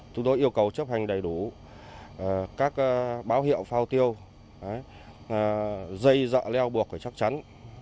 chúng tôi yêu cầu chấp hành đầy đủ các báo hiệu phao tiêu dây dọa leo buộc phải chắc chắn